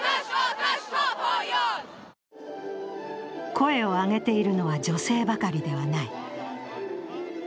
声を上げているのは、女性ばかりではない。